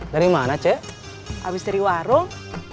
dari mana c abis dari warung